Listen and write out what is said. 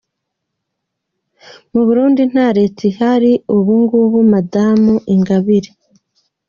Mu Burundi nta Leta ihari ubu ngubu” Madamu Ingabire .